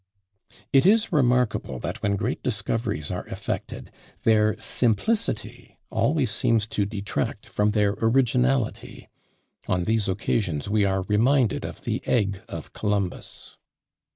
It is remarkable that when great discoveries are effected, their simplicity always seems to detract from their originality: on these occasions we are reminded of the egg of Columbus!